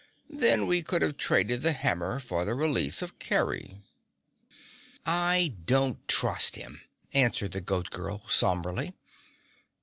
Then we could have traded the hammer for the release of Kerry." "I don't trust him," answered the Goat Girl somberly.